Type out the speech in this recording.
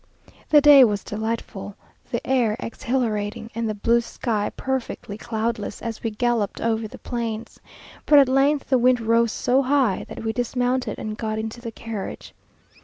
The day was delightful, the air exhilarating, and the blue sky perfectly cloudless as we galloped over the plains; but at length the wind rose so high that we dismounted, and got into the carriage.